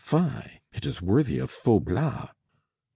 Fie! it is worthy of Faublas!"